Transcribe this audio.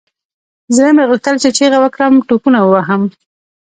زړه مې غوښتل چې چيغه وكړم ټوپونه ووهم.